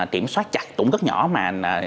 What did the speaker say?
tiểm soát chặt cũng rất nhỏ mà